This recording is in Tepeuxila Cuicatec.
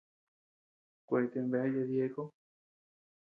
Kuete bea yadyéko.